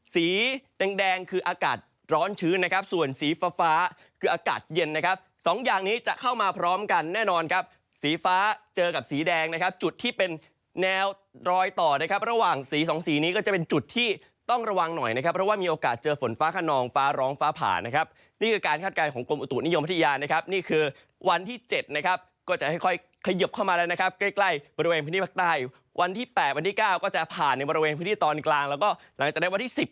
สีแดงคืออากาศร้อนชื้นนะครับส่วนสีฟ้าคืออากาศเย็นนะครับสองอย่างนี้จะเข้ามาพร้อมกันแน่นอนครับสีฟ้าเจอกับสีแดงนะครับจุดที่เป็นแนวรอยต่อนะครับระหว่างสีสองสีนี้ก็จะเป็นจุดที่ต้องระวังหน่อยนะครับเพราะว่ามีโอกาสเจอฝนฟ้าขนองฟ้าร้องฟ้าผ่านนะครับนี่คือการคาดการณ์ของกลมอุต